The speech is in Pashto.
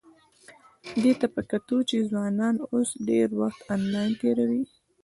دې ته په کتو چې ځوانان اوس ډېر وخت انلاین تېروي،